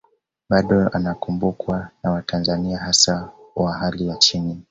Bado anakumbukwa na watanzania hasa wa hali ya chini